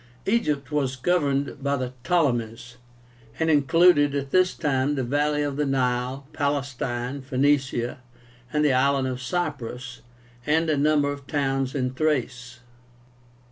EGYPT was governed by the Ptolemies, and included at this time the valley of the Nile, Palestine, Phoenicia, the island of Cyprus, and a number of towns in Thrace.